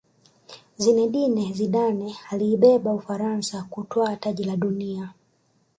zinedine zidane aliibeba ufaransa kutwaa taji la dunia